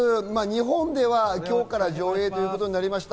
細田さん、日本では今日から上映ということになりました。